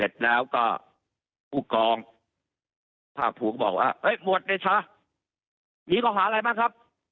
เสร็จแล้วก็ผู้กองภาพภูมิก็บอกว่าหมวดเนชานี่เขาหาอะไรบ้างครับ